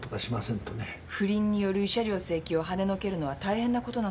不倫による慰謝料請求をはねのけるのは大変なことなのよ。